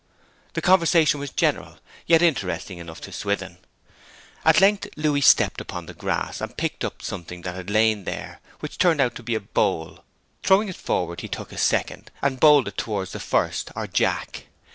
The conversation was general, yet interesting enough to Swithin. At length Louis stepped upon the grass and picked up something that had lain there, which turned out to be a bowl: throwing it forward he took a second, and bowled it towards the first, or jack.